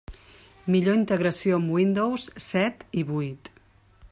Millor integració amb Windows set i vuit.